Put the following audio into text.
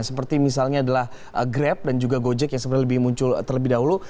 seperti misalnya adalah grab dan juga gojek yang sebenarnya lebih muncul terlebih dahulu